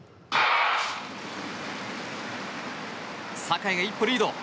坂井が一歩リード。